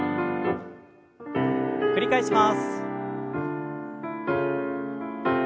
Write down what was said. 繰り返します。